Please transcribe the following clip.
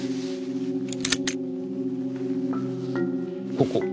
ここ。